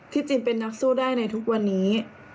จริงเป็นนักสู้ได้ในทุกวันนี้